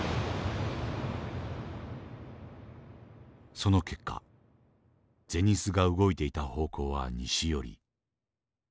その結果銭洲が動いていた方向は西寄り。